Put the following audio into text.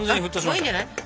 もういいんじゃない？